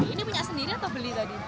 ini punya sendiri atau beli tadi